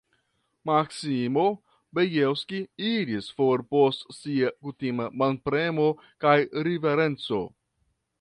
Maksimo Bjelski iris for post sia kutima manpremo kaj riverenco.